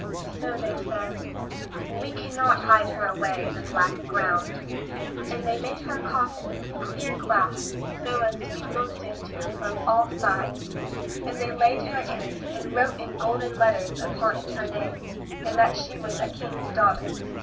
So they said, "We cannot hide her away in the black ground." And they had made a coffin of clear glass, so as to be looked into from all sides, and they laid her in it, and wrote in golden letters upon it her name, and that she was a king's daughter.